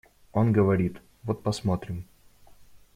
Он говорит: «Вот посмотрим».